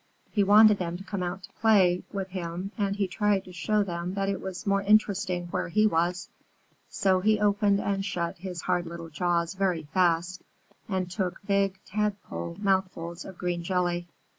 He wanted them to come out to play with him and he tried to show them that it was more interesting where he was, so he opened and shut his hard little jaws very fast and took big Tadpole mouthfuls of green jelly.